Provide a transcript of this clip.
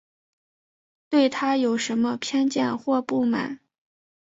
对她有什么偏见或不满